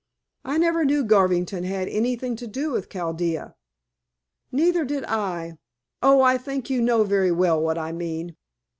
"I never knew Garvington had anything to do with Chaldea." "Neither did I. Oh, I think you know very well what I mean."